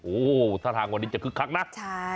โอ้โหท่าทางวันนี้จะคึกคักนะใช่